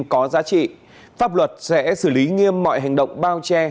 nếu thông tin có giá trị pháp luật sẽ xử lý nghiêm mọi hành động bao che